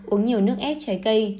uống nhiều nước ép trái cây